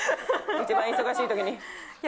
一番忙しい時に。